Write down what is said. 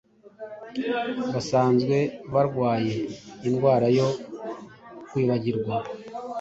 basanzwe barwaye indwara yo kwibagirwa